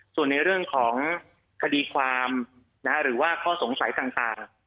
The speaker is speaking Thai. ส่วนในเรื่องของคดีความหรือว่าข้อสงสัยต่าง